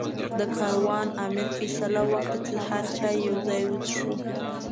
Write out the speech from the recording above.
د کاروان امیر فیصله وکړه چې سهار چای یو ځای وڅښو.